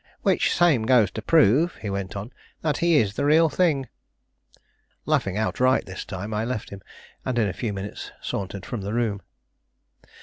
"Which same goes to prove," he went on, "that he is the real thing." Laughing outright this time, I left him, and in a few minutes sauntered from the room.